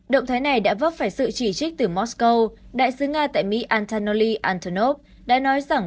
động thái này đã vấp phải sự chỉ trích từ moscow đại sứ nga tại mỹ antony antonov đã nói rằng